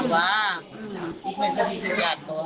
ว่าจัดก่อน